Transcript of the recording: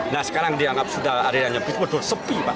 nah sekarang dianggap sudah hari raya nyepi betul sepi pak